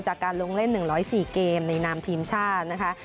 จากการลงเล่นหนึ่งร้อยสี่เกมในนามทีมชาตินะคะ